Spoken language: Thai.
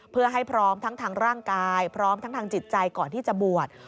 เพื่อให้พร้อมทั้งทางร่างกายพร้อมทั้งทางจิตใจก่อนที่จะบวช